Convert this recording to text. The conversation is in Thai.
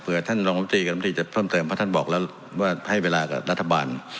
เพื่อท่านรองลำตีกับรัฐมนตรีจะเพิ่มเติมเพราะท่านบอกแล้วว่าให้เวลากับรัฐบาล